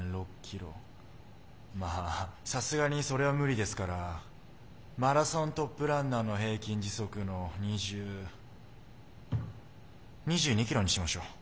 まあさすがにそれは無理ですからマラソントップランナーの平均時速の２０２２ｋｍにしましょう。